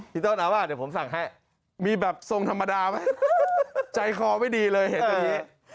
พี่ต้นเอาว่าเดี๋ยวผมสั่งให้มีแบบทรงธรรมดาไหมใจคอไม่ดีเลยเห็นแบบนี้